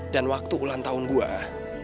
dan waktu ulang tahun gue